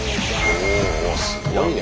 おおあすごいね。